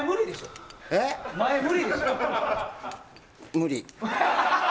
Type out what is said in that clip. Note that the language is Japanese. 無理。